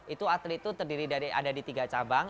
itu atlet itu terdiri dari ada di tiga cabang